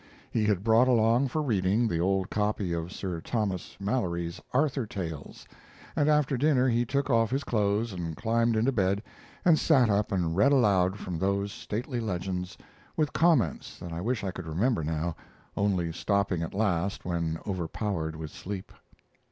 He had brought along for reading the old copy of Sir Thomas Malory's Arthur Tales, and after dinner he took off his clothes and climbed into bed and sat up and read aloud from those stately legends, with comments that I wish I could remember now, only stopping at last when overpowered with sleep.